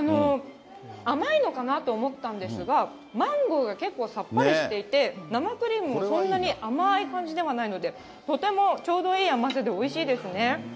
甘いのかなと思ったんですが、マンゴーが結構さっぱりしていて、生クリームもそんなに甘い感じではないので、とてもちょうどいい甘さでおいしいですね。